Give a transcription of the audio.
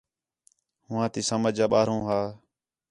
ہوآں تی سمجھ آ ٻاہروں ہا